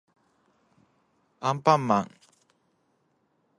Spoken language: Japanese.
あんぱんまん